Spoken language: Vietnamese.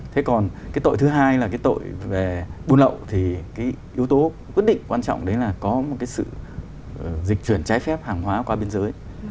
thế còn cái tội thứ hai là cái tội về buôn lậu thì cái yếu tố quyết định quan trọng đấy là có một cái sự dịch chuyển trái phép hàng hóa qua biên giới